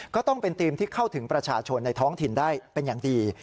ก็ต้องเป็นทีมที่เข้าถึงประชาชนในท้องถิ่นได้เป็นอย่างดี